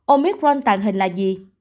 omicron tàng hình là gì